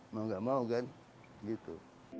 mau gak mau kan gitu